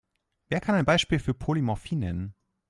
Wer kann ein Beispiel für Polymorphie nennen?